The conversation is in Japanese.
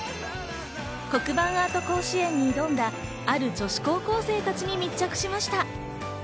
黒板アート甲子園に挑んだある女子高校生たちに密着しました。